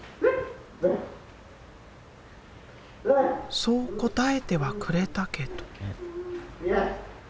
そう答えてはくれたけど。